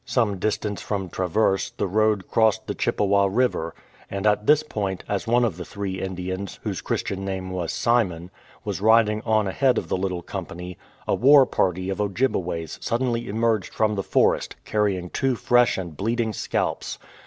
Some distance from Traverse the road crossed the Chippewa River, and at this point, as one of the three Indians, whose Christian name was Simon, was riding on ahead of the little company, a war party of Oj jibe ways suddenly emerged from the forest, carrying two fresh and bleeding scalps.